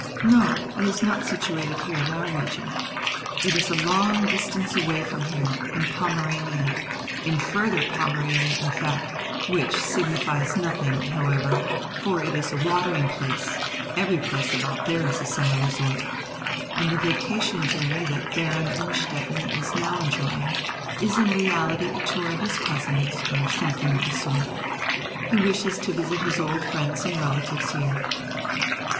"No, it is not situated here in our region; it is a long distance away from here, in Pomerania, in Furdier Pome rania, in fact, which signifies nodiing, however, for it is a watering place (every place about diere is a summer resort), and die vacation journey that Baron Innstetten is now enjoying is in reality a tour of his cousins, or something of die sort. He wishes to visit his old friends and relatives here."